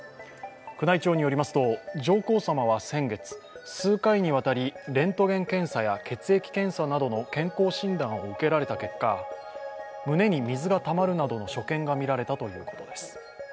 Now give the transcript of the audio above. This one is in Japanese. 宮内庁によりますと、上皇さまは先月、数回にわたりレントゲン検査や血液検査などの健康診断を受けられた結果胸に水がたまるなどの所見が見られたということです。